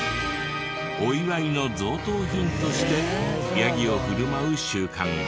お祝いの贈答品としてヤギを振る舞う習慣が。